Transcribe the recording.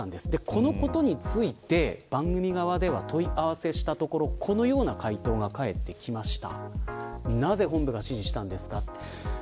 このことについて番組側で問い合わせをしたところこのような回答が返ってきました。